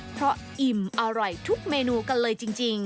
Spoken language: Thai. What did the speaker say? เพราะอิ่มอร่อยทุกเมนูกันเลยจริง